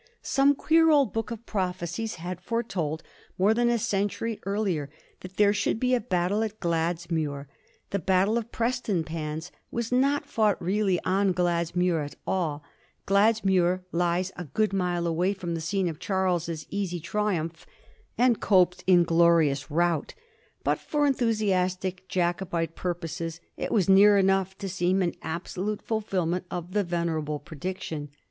Some 216 A HISTORY OF TH£ FOUR GEORGSa gh. xzxr. queer old book of prophecies had foretold, more than a century earlier, that there should be a battle at Glads muir. The battle of Prestonpans was not fought really on Gladsmuir at all : Gladsmuir lies a good mile away from the scene of Charles's easy triumph and Cope's inglorious rout ; but for enthusiastic Jacobite purposes it was near enough to seem an absolute fulfilment of the venerable prediction.